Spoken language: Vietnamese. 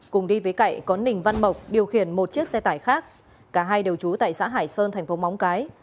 cùng đi với cậy có nình văn mộc điều khiển một chiếc xe tải khác cả hai đều trú tại xã hải sơn tp móng cái